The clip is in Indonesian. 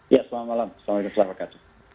ya selamat malam selamat datang